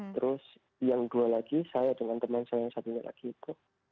terus yang dua lagi saya dengan teman saya yang satunya lagi itu